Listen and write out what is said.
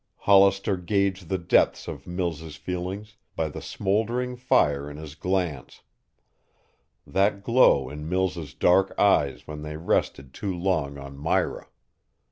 Hollister gauged the depths of Mills' feelings by the smoldering fire in his glance, that glow in Mills' dark eyes when they rested too long on Myra.